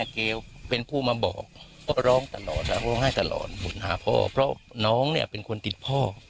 เขาก็ให้ตลอดบุญหาพ่อเพราะน้องเนี่ยเป็นคนติดพ่อ